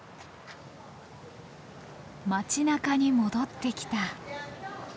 街なかに戻ってきた。